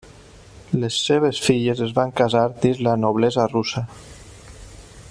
Les seves filles es van casar dins la noblesa russa.